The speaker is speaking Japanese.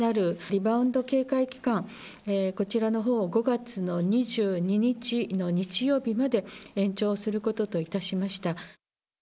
リバウンド警戒期間、こちらのほうを５月の２２日の日曜日まで延長することといたしました。